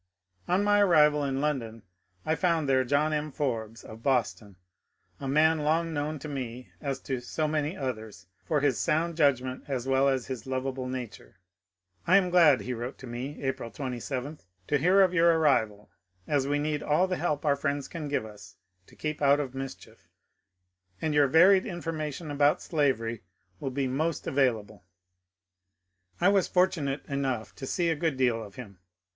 On my arrival in London I found there John M. Forbes of Boston, a man long known to me as to so many others for his sound judgment as well as his lovable nature. ^^ I am glad," FANNY EEMBLE 409 he wrote to me April 27, ^^ to hear of your arrival, as we need all the help our friends can give us to keep out of mischief, and your varied information about slavery will be most avail able.*' I was fortunate enough to see a good deal of him.